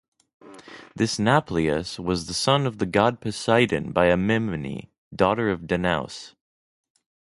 This Nauplius was the son of the god Poseidon by Amymone, daughter of Danaus.